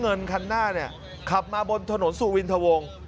เงินคันหน้าขับมาบนถนนสู่วินทะวง